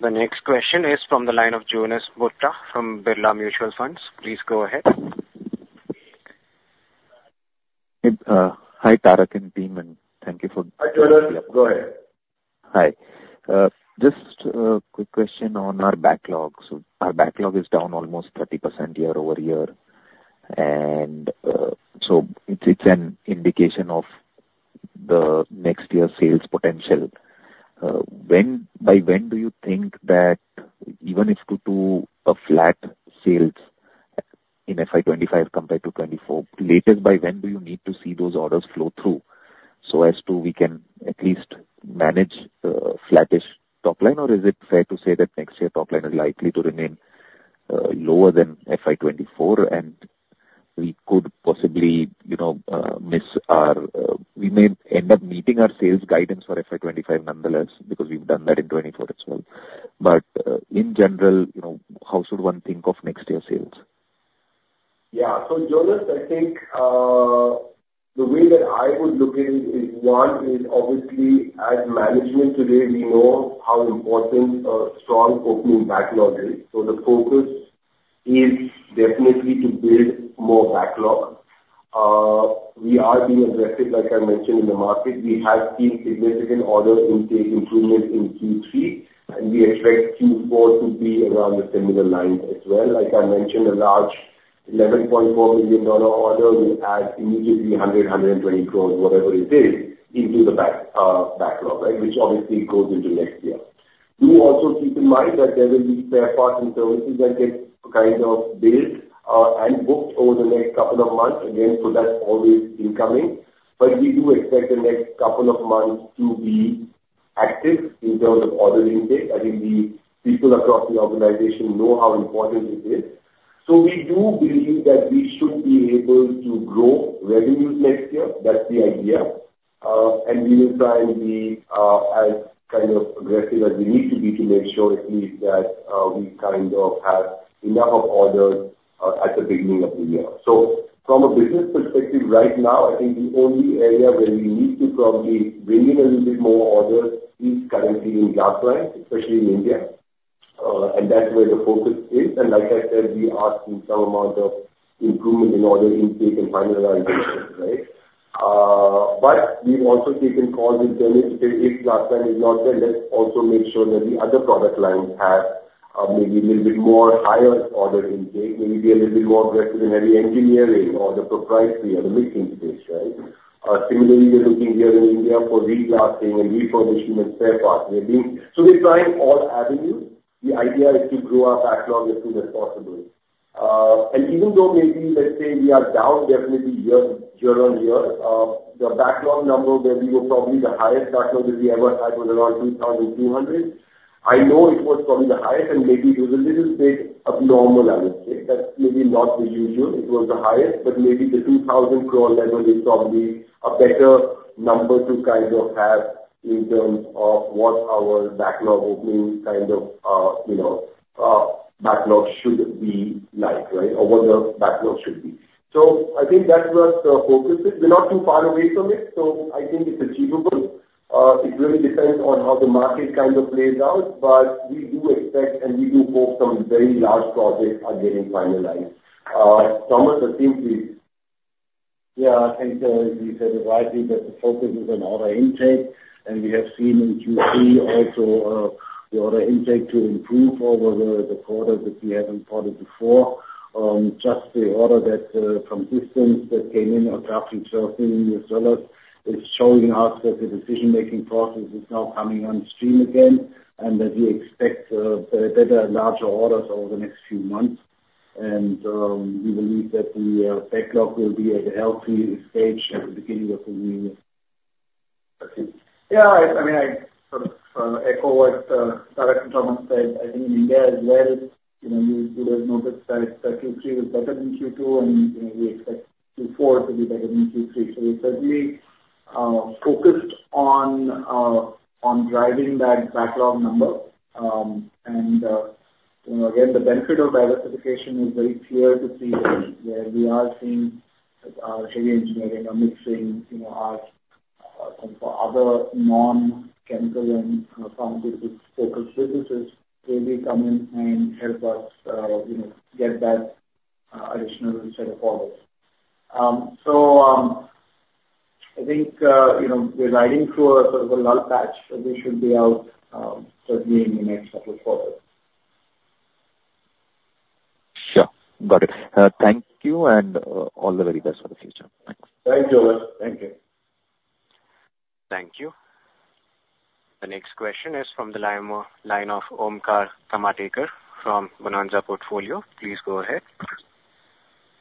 S1: The next question is from the line of Jonas Bhutta from Birla Mutual Funds. Please go ahead.
S12: Hey, hi, Tarak and team, and thank you for-
S3: Hi, Jonas. Go ahead.
S12: Hi. Just a quick question on our backlogs. Our backlog is down almost 30% year-over-year, and so it's an indication of the next year's sales potential. By when do you think that even if due to flat sales in FY 2025 compared to 2024, latest by when do you need to see those orders flow through so as to we can at least manage flattish top line? Or is it fair to say that next year top line is likely to remain lower than FY 2024, and we could possibly, you know, miss our, we may end up meeting our sales guidance for FY 2025 nonetheless, because we've done that in 2024 as well. But in general, you know, how should one think of next year's sales?
S3: Yeah. So Jonas, I think the way that I would look at it is, one, is obviously as management today, we know how important a strong opening backlog is. So the focus is definitely to build more backlog. We are being aggressive, like I mentioned, in the market. We have seen significant order intake improvement in Q3, and we expect Q4 to be around the similar lines as well. Like I mentioned, a large $11.4 million order will add immediately 120 crores, whatever it is, into the backlog, right? Which obviously goes into next year. Do also keep in mind that there will be spare parts in terms of that get kind of built and booked over the next couple of months. Again, so that's always incoming. But we do expect the next couple of months to be active in terms of order intake. I think the people across the organization know how important it is. So we do believe that we should be able to grow revenue next year. That's the idea. And we will try and be as kind of aggressive as we need to be to make sure at least that we kind of have enough of orders at the beginning of the year. So from a business perspective, right now, I think the only area where we need to probably bring in a little bit more orders is currently in glass-lined, especially in India, and that's where the focus is. And like I said, we are seeing some amount of improvement in order intake and finalizing, right? But we've also taken calls with them. If glass-lined is not there, let's also make sure that the other product lines have maybe a little bit more higher order intake, maybe be a little bit more aggressive in heavy engineering or the proprietary or the mixing space, right? Similarly, we're looking here in India for reglassing and repositioning the spare parts. So we're trying all avenues. The idea is to grow our backlog as soon as possible. And even though maybe, let's say we are down definitely year-on-year, the backlog number, where we were probably the highest backlog that we ever had was around 2,200. I know it was probably the highest and maybe it was a little bit abnormal, I would say. That's maybe not the usual. It was the highest, but maybe the 2,000 crore level is probably a better number to kind of have in terms of what our backlog opening kind of, you know, backlog should be like, right? Or what the backlog should be. So I think that's what the focus is. We're not too far away from it, so I think it's achievable. It really depends on how the market kind of plays out, but we do expect and we do hope some very large projects are getting finalized. Thomas, I think please.
S5: Yeah, I think you said it rightly, that the focus is on order intake, and we have seen in Q3 also the order intake to improve over the, the quarter that we haven't ordered before. Just the order that from systems that came in or dropped in $13 million is showing us that the decision-making process is now coming on stream again, and that we expect better larger orders over the next few months. We believe that the backlog will be at a healthy stage at the beginning of the new year.
S3: Yeah, I mean, I sort of echo what Director Thomas said. I think in India as well, you know, you would have noticed that Q3 was better than Q2, and you know, we expect Q4 to be better than Q3. So we're certainly focused on driving that backlog number. And you know, again, the benefit of diversification is very clear to see where we are seeing heavy engineering or mixing, you know, our some other non-chemical and pharmaceutical focused businesses really come in and help us you know get that additional set of orders. So I think you know, we're riding through a sort of a lull patch, so we should be out certainly in the next couple of quarters.
S12: Sure. Got it. Thank you, and all the very best for the future. Thanks.
S3: Thank you. Thank you.
S1: Thank you. The next question is from the line of Omkar Kamtekar from Bonanza Portfolio. Please go ahead.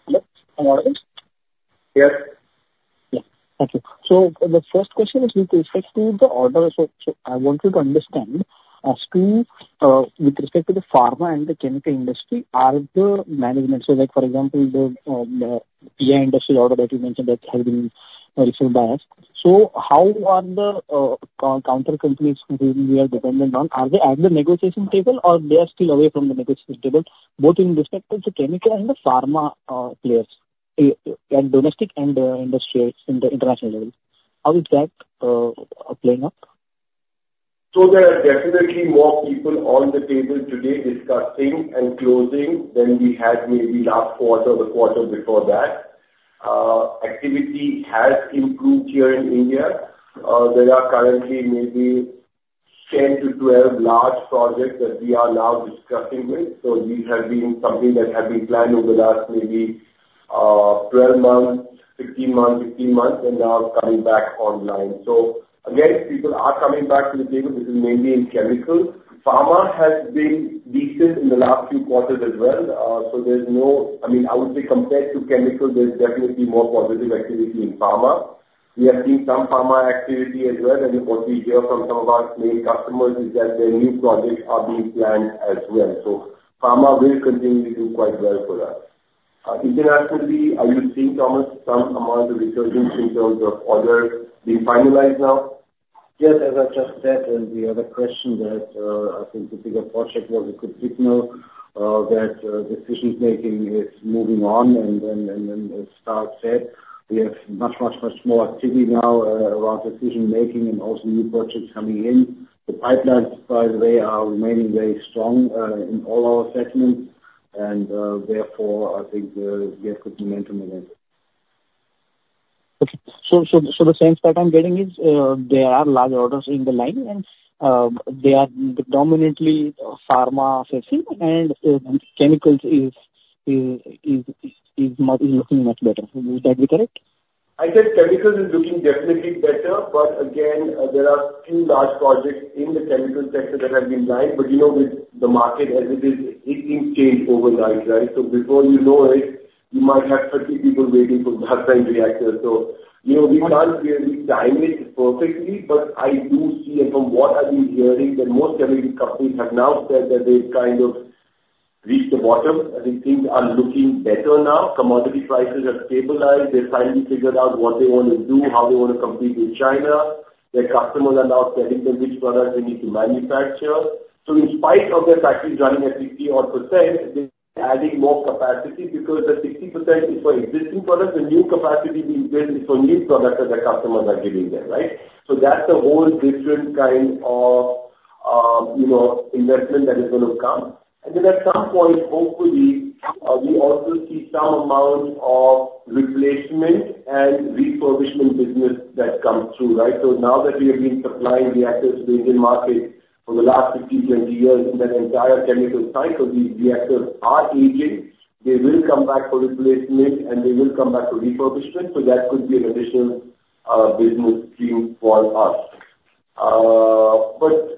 S3: Yes. Omkar?
S13: Yes. Yeah. Thank you. So the first question is with respect to the orders. So I wanted to understand as to with respect to the pharma and the chemical industry, are the management, so like for example, the API industry order that you mentioned that has been received by us. So how are the counterpart companies whom we are dependent on? Are they at the negotiation table or they are still away from the negotiation table, both in respect to the chemical and the pharma players and domestic and international levels? How is that playing out?
S3: So there are definitely more people on the table today discussing and closing than we had maybe last quarter or the quarter before that. Activity has improved here in India. There are currently maybe 10-12 large projects that we are now discussing with. So these have been something that have been planned over the last maybe, 12 months, 16 months, 15 months, and now it's coming back online. So again, people are coming back to the table. This is mainly in chemicals. Pharma has been decent in the last few quarters as well. So I mean, I would say compared to chemical, there's definitely more positive activity in pharma. We have seen some pharma activity as well, and what we hear from some of our main customers is that their new projects are being planned as well. So pharma will continue to do quite well for us. Internationally, are you seeing, Thomas, some amount of resurgence in terms of orders being finalized now?
S5: Yes, as I just said in the other question that I think the bigger project was a good signal that decision making is moving on. And then, as Tarak said, we have much, much, much more activity now around decision making and also new projects coming in. The pipelines, by the way, are remaining very strong in all our segments and therefore I think we have good momentum in it.
S13: Okay. So, the sense that I'm getting is, there are large orders in the line, and they are dominantly pharma-facing, and chemicals is looking much better. Would that be correct?
S3: I'd say chemicals is looking definitely better, but again, there are few large projects in the chemical sector that have been live. But, you know, with the market as it is, it can change overnight, right? So before you know it, you might have 30 people waiting for a reactor. So, you know, we can't really time it perfectly, but I do see, and from what I've been hearing, that most chemical companies have now said that they've kind of reached the bottom, and things are looking better now. Commodity prices have stabilized. They've finally figured out what they want to do, how they want to compete with China. Their customers are now telling them which products they need to manufacture. So in spite of their factories running at 60-odd%, they're adding more capacity because the 60% is for existing products. The new capacity being built is only products that the customers are giving them, right? So that's a whole different kind of investment that is going to come. And then at some point, hopefully, we also see some amount of replacement and refurbishment business that comes through, right? So now that we have been supplying reactors to the Indian market for the last 15, 20 years, in that entire chemical cycle, these reactors are aging. They will come back for replacement, and they will come back for refurbishment, so that could be an additional business stream for us. But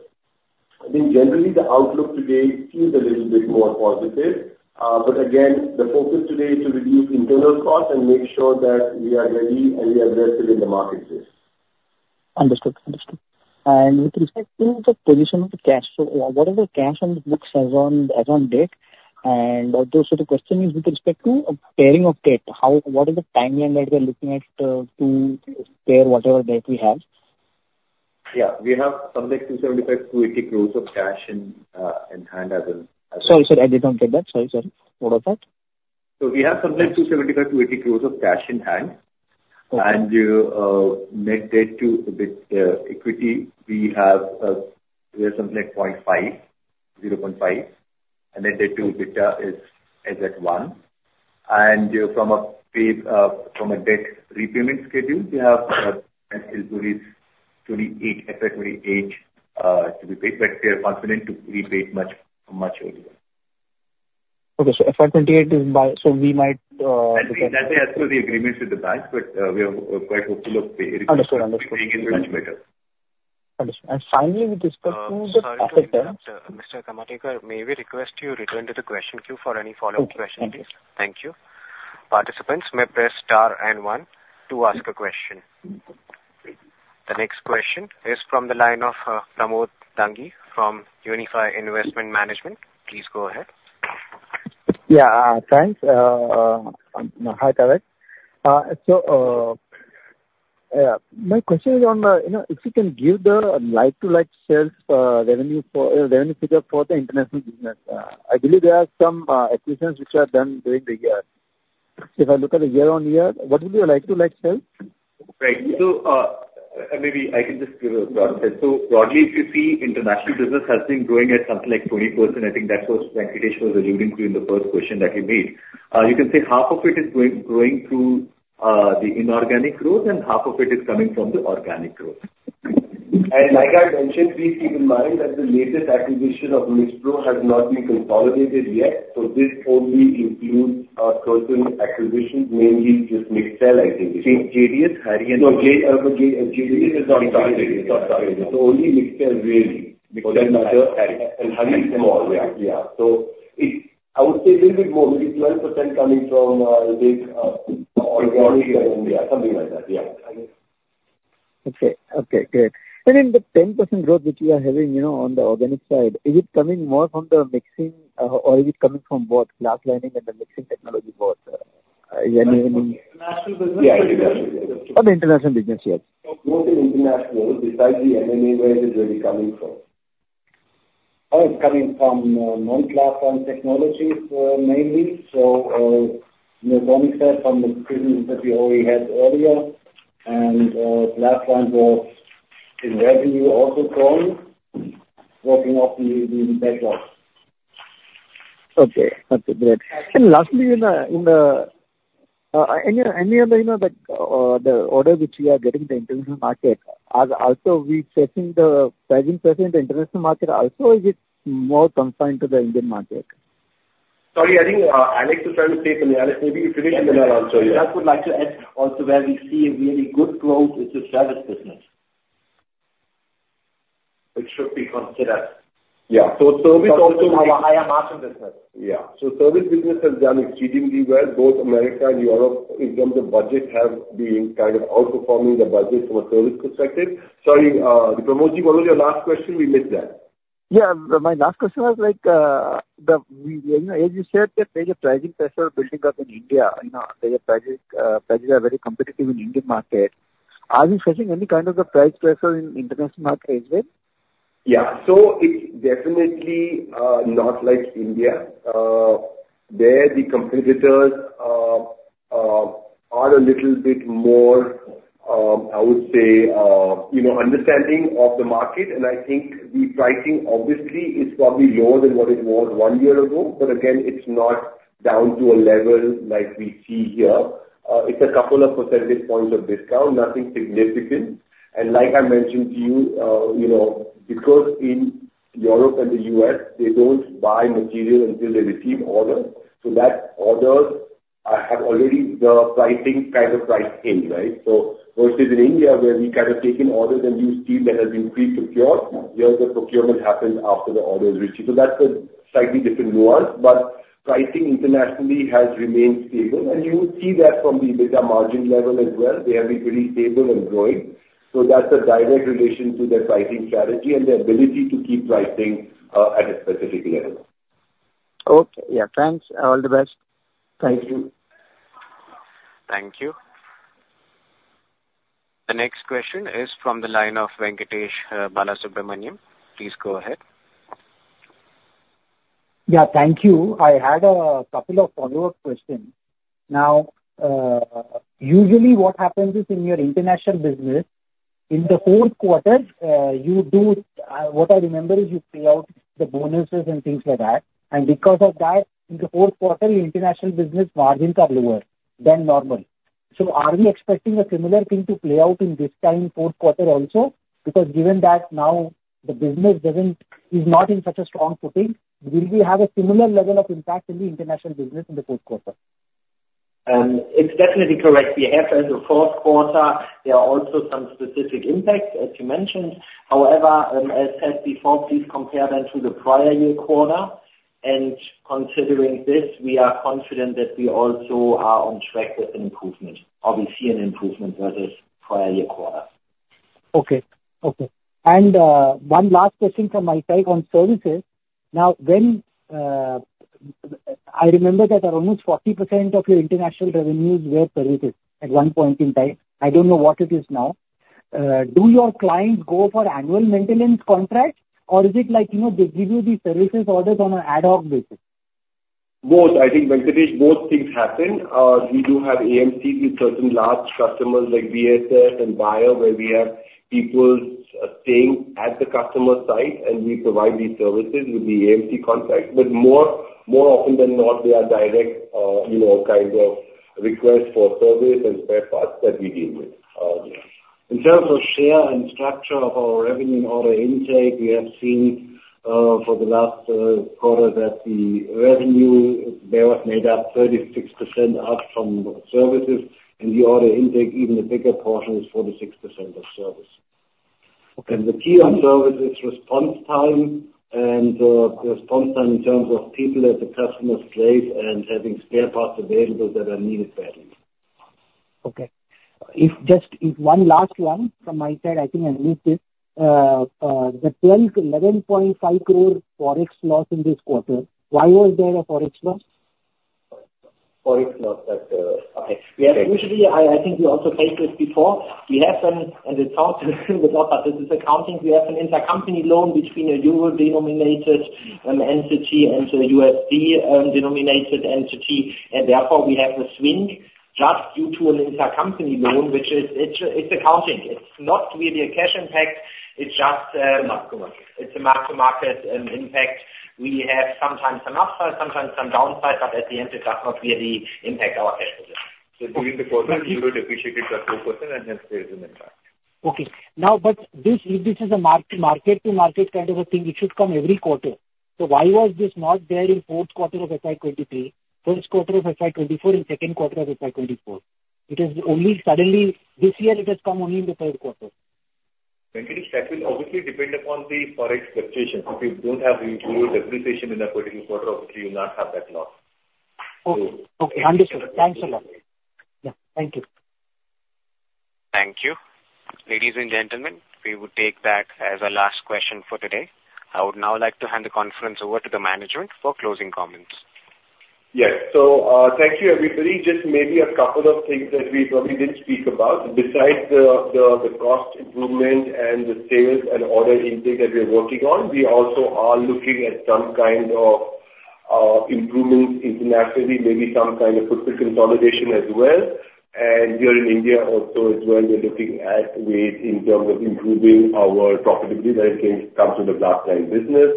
S3: I think generally, the outlook today feels a little bit more positive. But again, the focus today is to reduce internal costs and make sure that we are ready and we are aggressive in the marketplace.
S13: Understood. Understood. And with respect to the position of the cash flow, what are the cash on the books as on, as on date? And also, the question is with respect to pairing of debt, how—what is the timeline that we are looking at, to pair whatever debt we have?
S3: Yeah. We have something like 275 crores-280 crores of cash in, in hand as of-
S13: Sorry, sir, I did not get that. Sorry, sir. What was that?
S3: We have something like 275 crores-280 crores of cash in hand.
S13: Okay.
S3: Net debt to equity, we have something like 0.5, 0.5, and then debt to EBITDA is at 1. From a payback debt repayment schedule, we have until 2028, FY 2028, to be paid, but we are confident to prepay it much, much earlier.
S13: Okay, so FY 28 is by... So we might,
S3: I think that's as per the agreements with the bank, but, we are quite hopeful of paying-
S13: Understood. Understood.
S3: Paying it much better.
S13: Understood. Finally, with respect to the-
S1: Sorry to interrupt, Mr. Kamtekar. May we request you return to the question queue for any follow-up question, please?
S13: Thank you.
S1: Thank you. Participants may press star and one to ask a question. The next question is from the line of Pramod Dangi from Unifi Investment Management. Please go ahead.
S14: Yeah. Thanks. Hi, Tarak. So, my question is on, you know, if you can give the like to like sales, revenue for, revenue figure for the international business. I believe there are some acquisitions which are done during the year. If I look at the year-on-year, what would be your like to like sales?
S3: Right. So, maybe I can just give a broad sense. So broadly, if you see, international business has been growing at something like 20%. I think that was what Keshav was alluding to in the first question that you made. You can say half of it is growing, growing through, the inorganic growth and half of it is coming from the organic growth.
S5: And like I mentioned, please keep in mind that the latest acquisition of MixPro has not been consolidated yet, so this only includes our current acquisitions, mainly just MIXEL, I think.
S14: JDS, HARI, and-
S5: No, JDS is not started. It's not started. So only MIXEL really.
S14: Because that matter.
S5: HARI is small. Yeah. Yeah. So it's, I would say a little bit more, maybe 12% coming from, I think, organic and, yeah, something like that. Yeah.
S14: Okay. Okay, great. And in the 10% growth which you are having, you know, on the organic side, is it coming more from the mixing, or is it coming from both glass lining and the mixing technology both?
S3: International business?
S5: Yeah, international business.
S14: For the international business, yes.
S3: Most of International, besides the M&A, where is it really coming from?
S5: Oh, it's coming from non-glass-lined technologies, mainly. So, from the business that we already had earlier, and glass-lined was in revenue, also growing, working off the backlog.
S14: Okay. Okay, great. And lastly, in any of the, you know, the orders which we are getting in the international market, are we also facing the same problem in the international market also, or is it more confined to the Indian market?
S3: Sorry, I think Alex is trying to say something. Alex, maybe you finish and then I'll also, yeah.
S11: I just would like to add also, where we see a really good growth is the service business.
S14: we consider.
S3: Yeah, so service also-
S14: Have a higher margin business.
S3: Yeah. So service business has done exceedingly well, both America and Europe, in terms of budgets, have been kind of outperforming the budget from a service perspective. Sorry, Pramod, what was your last question? We missed that.
S14: Yeah, my last question was like, you know, as you said, that there's a pricing pressure building up in India. You know, the prices are very competitive in Indian market. Are you facing any kind of the price pressure in international market as well?
S3: Yeah. So it's definitely not like India. There, the competitors are a little bit more, I would say, you know, understanding of the market. And I think the pricing obviously is probably lower than what it was one year ago. But again, it's not down to a level like we see here. It's a couple of percentage points of discount, nothing significant. And like I mentioned to you, you know, because in Europe and the U.S., they don't buy material until they receive order, so that orders have already the pricing kind of priced in, right? So versus in India, where we kind of taken orders and you see that has been pre-procured, here, the procurement happens after the order is received. So that's a slightly different nuance. But pricing internationally has remained stable. You see that from the EBITDA margin level as well. They have been pretty stable and growing. That's a direct relation to their pricing strategy and the ability to keep pricing at a specific level.
S14: Okay. Yeah, thanks. All the best.
S3: Thank you.
S1: Thank you. The next question is from the line of Venkatesh Balasubramanian. Please go ahead.
S4: Yeah, thank you. I had a couple of follow-up questions. Now, usually what happens is, in your international business, in the fourth quarter, you do, what I remember is you pay out the bonuses and things like that. And because of that, in the fourth quarter, the international business margins are lower than normal. So are we expecting a similar thing to play out in this time, fourth quarter also? Because given that now the business doesn't-- is not in such a strong footing, will we have a similar level of impact in the international business in the fourth quarter?
S11: It's definitely correct. We have as a fourth quarter, there are also some specific impacts, as you mentioned. However, as said before, please compare them to the prior year quarter. Considering this, we are confident that we also are on track with an improvement, or we see an improvement versus prior year quarter.
S4: Okay. Okay. And one last question from my side on services. Now, when I remember that almost 40% of your international revenues were services at one point in time. I don't know what it is now. Do your clients go for annual maintenance contracts, or is it like, you know, they give you these services orders on an ad hoc basis?
S3: Both. I think, Venkatesh, both things happen. We do have AMCs with certain large customers like BASF and Bayer, where we have people staying at the customer site, and we provide these services with the AMC contract. But more often than not, they are direct, you know, kind of requests for service and spare parts that we deal with. Yeah.
S11: In terms of share and structure of our revenue and order intake, we have seen, for the last quarter, that the revenue there was made up 36% up from services, and the order intake, even a bigger portion, is 46% of service.
S4: Okay.
S11: The key on service is response time and response time in terms of people at the customer place and having spare parts available that are needed there.
S4: Okay. If just, if one last one from my side, I think I missed it. The 11.5 crore Forex loss in this quarter, why was there a Forex loss?
S11: Forex loss that, okay, yeah. Usually, I think we also faced this before. We have some, and it's hard to see because this is accounting. We have an intercompany loan between a euro-denominated entity and a USD denominated entity, and therefore, we have a swing just due to an intercompany loan, which is, it's accounting. It's not really a cash impact. It's just,
S3: It's a mark-to-market.
S11: It's a mark-to-market impact. We have sometimes some upside, sometimes some downside, but at the end, it does not really impact our cash position.
S3: During the quarter, you would depreciate it by 4% and then there is an impact.
S4: Okay. Now, but this, if this is a mark-to-market kind of a thing, it should come every quarter. So why was this not there in fourth quarter of FY 2023, first quarter of FY 2024 and second quarter of FY 2024? It is only suddenly this year, it has come only in the third quarter.
S3: Venkatesh, that will obviously depend upon the Forex fluctuations. If you don't have huge depreciation in a particular quarter, obviously you'll not have that loss.
S4: Okay. Okay, understood. Thanks a lot. Yeah, thank you.
S1: Thank you. Ladies and gentlemen, we would take that as our last question for today. I would now like to hand the conference over to the management for closing comments.
S3: Yes. So, thank you, everybody. Just maybe a couple of things that we probably didn't speak about. Besides the cost improvement and the sales and order intake that we are working on, we also are looking at some kind of improvements internationally, maybe some kind of fruitful consolidation as well. And here in India also as well, we're looking at ways in terms of improving our profitability when it comes to the glass-lined business.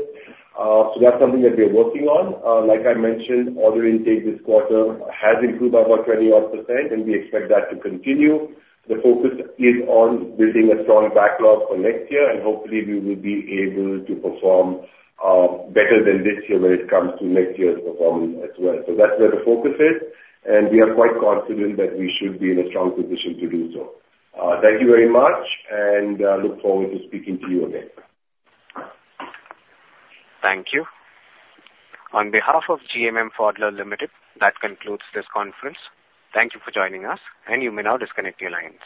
S3: So that's something that we're working on. Like I mentioned, order intake this quarter has improved by about 20-odd%, and we expect that to continue. The focus is on building a strong backlog for next year, and hopefully, we will be able to perform better than this year when it comes to next year's performance as well. So that's where the focus is, and we are quite confident that we should be in a strong position to do so. Thank you very much, and look forward to speaking to you again.
S1: Thank you. On behalf of GMM Pfaudler Limited, that concludes this conference. Thank you for joining us, and you may now disconnect your lines.